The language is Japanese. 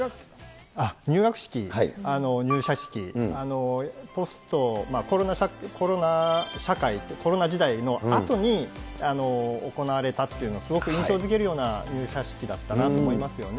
入学式、入社式、ポスト、コロナ社会、コロナ時代のあとに行われたっていうのをすごく印象づけるような入社式だったなと思いますね。